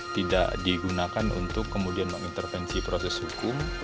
tidak digunakan untuk kemudian mengintervensi proses hukum